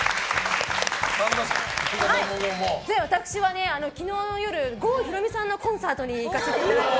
私は昨日の夜、郷ひろみさんのコンサートに行かせていただいて。